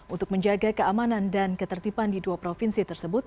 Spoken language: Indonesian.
untuk menjaga keamanan dan ketertiban di dua provinsi tersebut